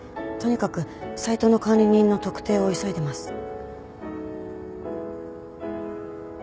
とにかくサイトの管理人の特定を急いでます。